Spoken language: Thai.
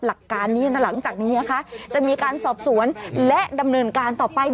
หลักการนี้หลังจากนี้นะคะจะมีการสอบสวนและดำเนินการต่อไป